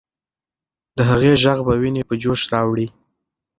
د هغې ږغ به ويني په جوش راوړي.